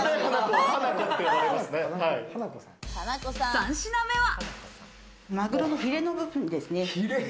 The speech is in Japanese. ３品目は。